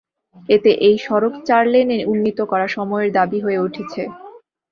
এতে এই সড়ক চার লেনে উন্নীত করা সময়ের দাবি হয়ে উঠেছে।